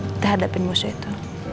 kita hadapin musuh itu